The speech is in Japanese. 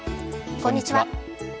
こんにちは。